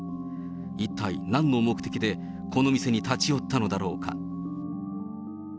一体なんの目的でこの店に立ち寄ったのだろうか。